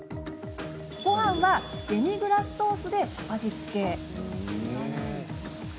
ごはんはデミグラスソースで味付け。